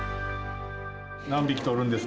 何匹捕るんですか？